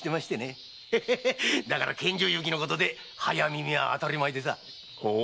だから献上雪のことで早耳は当たり前でさあ。